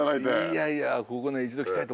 いやいやここね。